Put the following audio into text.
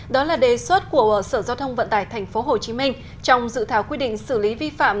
đó là đề xuất của sở giao thông vận tải tp hcm trong dự thảo quy định xử lý vi phạm